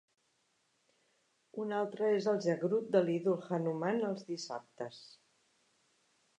Un altre és el "Jagrut" de l'idol Hanuman els dissabtes.